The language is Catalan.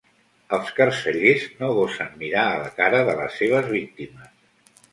Els carcellers no gosen mirar a la cara de les seves víctimes.